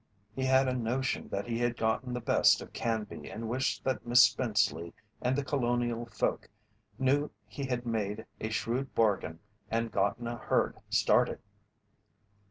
He had a notion that he had gotten the best of Canby and wished that Miss Spenceley and The Colonial folk knew he had made a shrewd bargain and gotten a herd started.